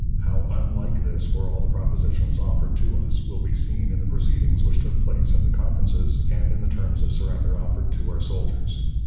How unlike this were all the propositions offered to us, will be seen in the proceedings which took place in the conferences, and in the terms of surrender offered to our soldiers.